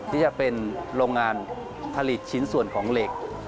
ที่จะเป็นโรงงานผลิตชิ้นส่วนของเหล็ก